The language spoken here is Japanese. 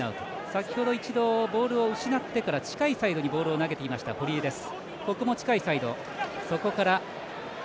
先ほど一度、ボールを失ってから近いサイドにボールを投げてきました、堀江です。